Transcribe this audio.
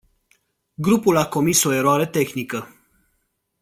Grupul a comis o eroare tehnică.